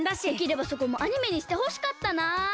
できればそこもアニメにしてほしかったな。